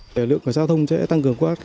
lực lượng giao thông sẽ tăng cường quá